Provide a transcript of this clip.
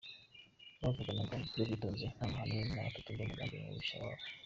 Bavuganaga mu buryo bwitonze, nta mahane ngo tutumva umugambi mubisha wabo.